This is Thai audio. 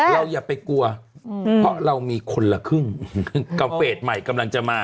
อย่าไปกลัวเพราะเรามีคนละครึ่งกับเฟสใหม่กำลังจะมา